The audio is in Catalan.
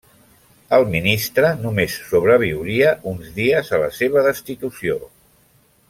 El ministre només sobreviuria uns dies a la seva destitució.